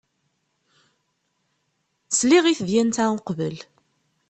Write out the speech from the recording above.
Sliɣ i tezlit-a uqbel.